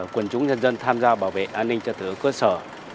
quần chúng nhân dân tham gia bảo vệ an ninh trật tự ở cơ sở